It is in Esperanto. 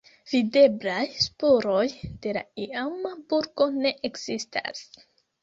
Videblaj spuroj de la iama burgo ne ekzistas.